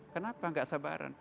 kenapa enggak sabaran